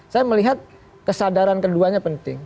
saya melihat kesadaran keduanya penting